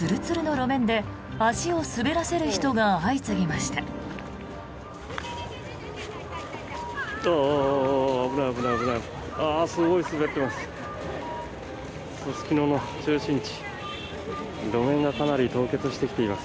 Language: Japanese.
すごい滑ってます。